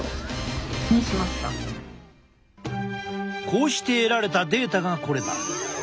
こうして得られたデータがこれだ。